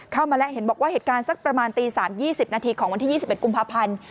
เข้ามาแล้วเห็นบอกว่าเหตุการณ์สักประมาณตี๓๒๐นาทีของวันที่๒๑กุมภาพันธ์